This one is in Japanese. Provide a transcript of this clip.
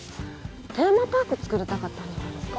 テーマパーク造りたかったんじゃないですか？